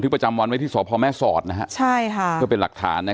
ก็วันนี้เธอ